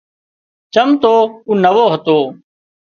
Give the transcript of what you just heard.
چم تو او نوو هتو